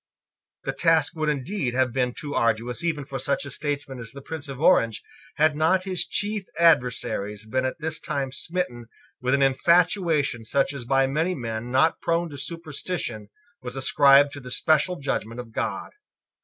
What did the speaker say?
The task would indeed have been too arduous even for such a statesman as the Prince of Orange, had not his chief adversaries been at this time smitten with an infatuation such as by many men not prone to superstition was ascribed to the special judgment of God.